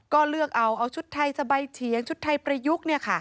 ก็เลือกเอาเอาชุดไทยสบายเฉียงชุดไทยประยุกต์เนี่ยค่ะ